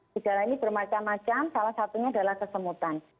gejala ini bermacam macam salah satunya adalah kesemutan